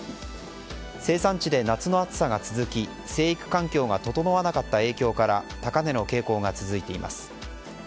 生産地で夏の暑さが続き生育環境が整わなかった影響から高値の傾向が続いています。